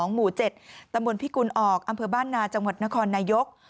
หมู่๗ตำบลพิกุลออกอำเภอบ้านนาจังหวัดนครนายก